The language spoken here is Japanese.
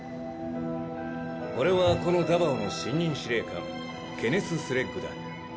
俺はこのダバオの新任司令官ケネス・スレッグだ。